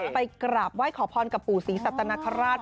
ไปกราบไหว้ขอพรกับปู่ศรีสัตนคราช